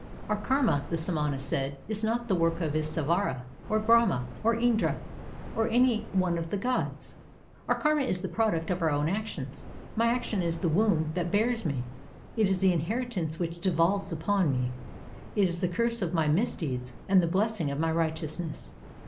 "Our karma," the samana said, "is not the work of Ishvara, or Brahma, or Indra, or of any one of the gods. Our karma is the product of our own actions. My action is the womb that bears me; it is the inheritance which devolves upon me; it is the curse of my misdeeds and the blessing of my righteousness.